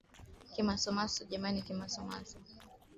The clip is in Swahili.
gani uhuru katika Kristo unavyopita masharti ya sheria ya kale